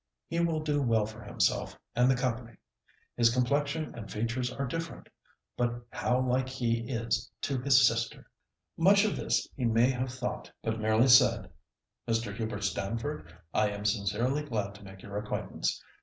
He will do well for himself and the company. His complexion and features are different—but how like he is to his sister!" Much of this he may have thought, but merely said, "Mr. Hubert Stamford, I am sincerely glad to make your acquaintance.